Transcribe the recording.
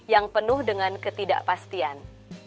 yang penuh dengan ketidakpastian